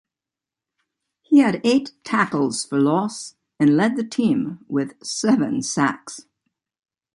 He had eight tackles for loss and led the team with seven sacks.